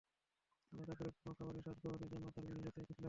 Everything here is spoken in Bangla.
আলাদা করে কোনো খাবারের স্বাদ গ্রহণের জন্য তাঁর বিশেষ অস্থিরতা ছিল না।